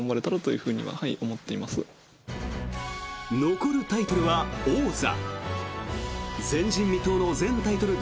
残るタイトルは王座。